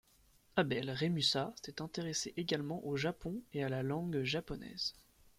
Abel-Rémusat s'est intéressé également au Japon et à la langue japonaise.